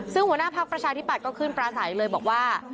ซึ่งหัวหน้าพักประชาธิบัตย์ก็ขึ้นปลาใสเลยบอกว่า